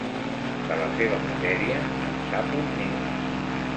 De la seva matèria, en sap un niu.